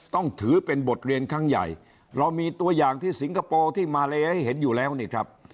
ต้องถือเป็นบทเรียนครั้งใหญ่เรามีตัวอย่างที่สิงคโปร์ที่มาเลให้เห็นอยู่แล้วนี่ครับ